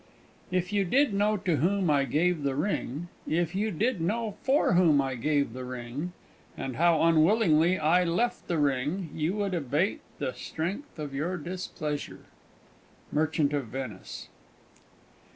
"If you did know to whom I gave the ring, If you did know for whom I gave the ring, And how unwillingly I left the ring, You would abate the strength of your displeasure." _Merchant of Venice.